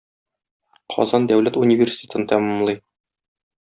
Казан дәүләт университетын тәмамлый.